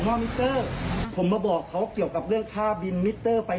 แต่คือผมไม่ได้มาเรียกเก็บผมเพื่อมาเช่งพวกพี่